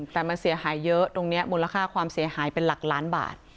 แต่มันเสียหายเยอะตรงนี้มูลค่าความเสียหายเป็นหลักล้านบาท